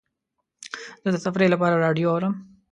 زه د تفریح لپاره راډیو اورم.